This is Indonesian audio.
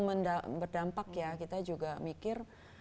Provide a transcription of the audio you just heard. berdampak ya kita juga mikir